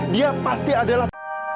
dia pasti adalah